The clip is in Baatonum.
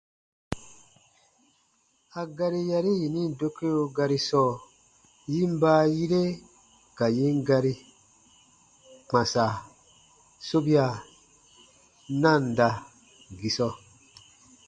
A gari yari yini dokeo gari sɔɔ, yin baayire ka yin gari: kpãsa- sobia- nanda-gisɔ.